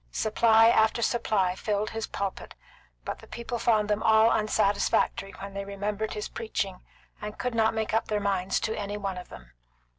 Supply after supply filled his pulpit, but the people found them all unsatisfactory when they remembered his preaching, and could not make up their minds to any one of them.